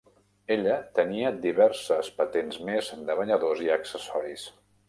Ella tenia diverses patents més de banyadors i accessoris.